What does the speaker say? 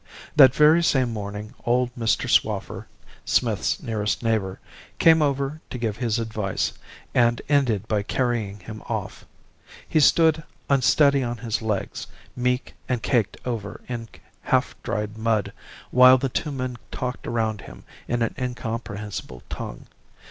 "That very same morning old Mr. Swaffer (Smith's nearest neighbour) came over to give his advice, and ended by carrying him off. He stood, unsteady on his legs, meek, and caked over in half dried mud, while the two men talked around him in an incomprehensible tongue.